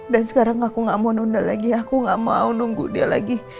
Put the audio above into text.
dan sekarang aku gak mau nunda lagi aku gak mau nunggu dia lagi